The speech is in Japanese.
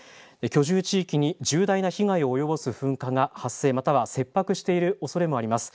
居住地域に重大な被害を及ぼす噴火が発生、または切迫しているおそれもあります。